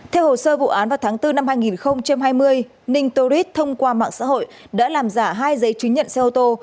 theo hồ sơ vụ án vào tháng bốn năm hai nghìn hai mươi ninh tourist thông qua mạng xã hội đã làm giả hai giấy chứng nhận xe ô tô